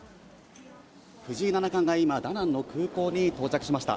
藤井七冠が今、ダナンの空港に到着しました。